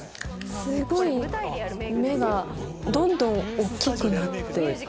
すごい目がどんどん大っきくなって行く。